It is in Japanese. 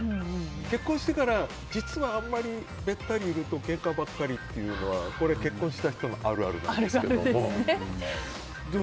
結婚してから、実はあまりべったりしているとけんかばっかりというのは結婚した人のあるあるですけども。